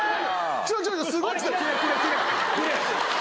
ちょちょすごいきてる。